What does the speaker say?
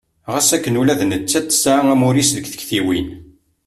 Ɣas akken ula d nettat tesɛa amur-is deg tiktiwin.